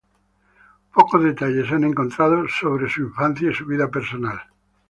Pocos detalles se han encontrado acerca de su infancia y su vida personal.